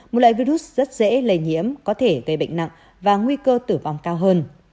một loại virus rất dễ lây nhiễm có thể gây bệnh nặng và nguy cơ tử vong cao hơn